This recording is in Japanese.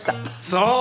そう？